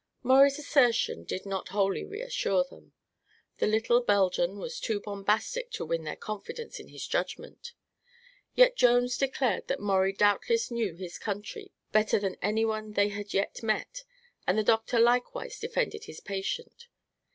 Maurie's assertion did not wholly reassure them. The little Belgian was too bombastic to win their confidence in his judgment. Yet Jones declared that Maurie doubtless knew the country better than anyone they had yet met and the doctor likewise defended his patient.